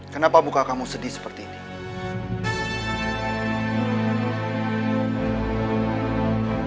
kenapa buka kamu sedih seperti ini